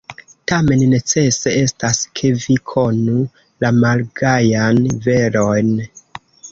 Tamen necese estas, ke vi konu la malgajan veron.